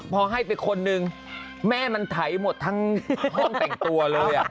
พอให้ไปคนนึงแม่มันไถหมดทั้งห้องแต่งตัวเลย